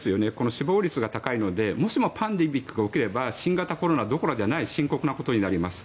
死亡率が高いのでもしもパンデミックが起きれば新型コロナどころじゃない深刻なことになります。